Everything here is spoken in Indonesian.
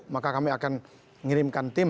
maka kami akan mengirimkan tim